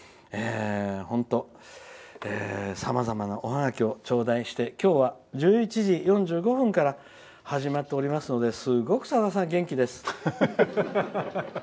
本当、さまざまなおハガキをちょうだいして今日は１１時４５分から始まっておりますのですごくさださん、元気です。